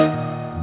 nggak ada apa apa